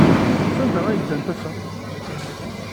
Sanda ay ddant ass-a?